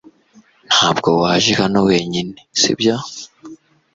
Ntabwo waje hano wenyine sibyo